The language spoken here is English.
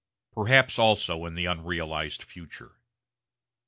Perhaps also in the unrealised future.